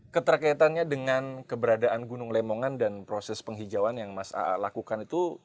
keterkaitannya dengan keberadaan gunung lemongan dan proses penghijauan yang mas aa lakukan itu